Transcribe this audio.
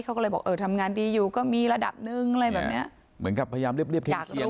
เขาก็เลยบอกเออทำงานดีอยู่ก็มีระดับหนึ่งอะไรแบบเนี้ยเหมือนกับพยายามเรียบเรียบเทียบ